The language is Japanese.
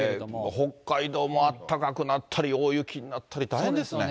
北海道もあったかくなったり大雪になったり大変ですね。